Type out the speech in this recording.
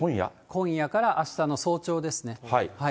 今夜からあしたの早朝ですね。